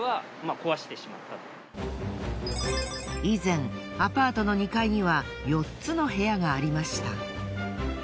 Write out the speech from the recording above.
以前アパートの２階には４つの部屋がありました。